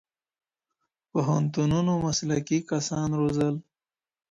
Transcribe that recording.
پوهنتونونو مسلکي کسان روزل.